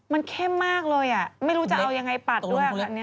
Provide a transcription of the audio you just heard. มันเข้มมากเลยไม่รู้จะเอายังไงปัดด้วย